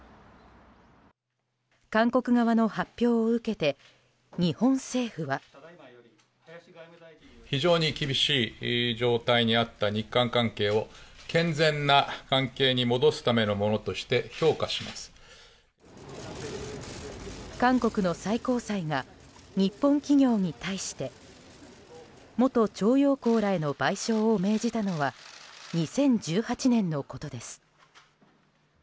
韓国側の発表を受けて日本政府は。韓国の最高裁が日本企業に対して元徴用工らへの賠償を命じたのは２０１８年のことです。